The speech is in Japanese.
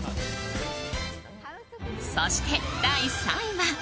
そして、第３位は。